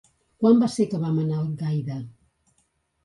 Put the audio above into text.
Quan va ser que vam anar a Algaida?